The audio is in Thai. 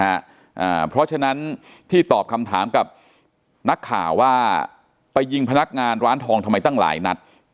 อ่าเพราะฉะนั้นที่ตอบคำถามกับนักข่าวว่าไปยิงพนักงานร้านทองทำไมตั้งหลายนัด